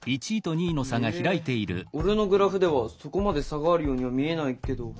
え俺のグラフではそこまで差があるようには見えないけど。